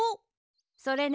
それね。